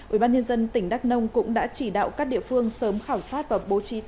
ủy ban nhân dân tỉnh đắk nông cũng đã chỉ đạo các địa phương sớm khảo sát và bố trí tái định cư cho người dân